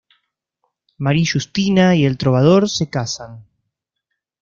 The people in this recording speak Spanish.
Mari-Justina y el trovador se casan.